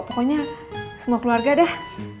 pokoknya semua keluarga deh